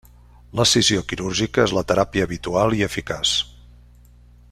L'escissió quirúrgica és la teràpia habitual i eficaç.